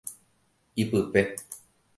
Ipype.